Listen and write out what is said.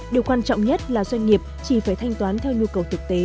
điều quan trọng nhất là doanh nghiệp chỉ phải thanh toán theo nhu cầu thực tế